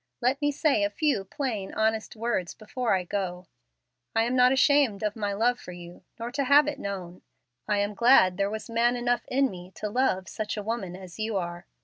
Let me say a few plain, honest words before I go. I am not ashamed of my love for you, nor to have it known. I am glad there was man enough in me to love such a woman as you are.